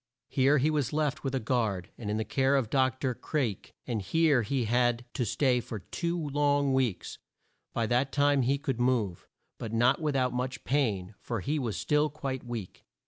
Here he was left with a guard, and in care of Doc tor Craik, and here he had to stay for two long weeks. By that time he could move, but not with out much pain, for he was still quite weak.